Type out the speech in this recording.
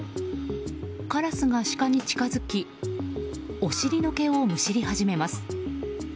カラスがシカに近づきお尻の毛をむしり始めます。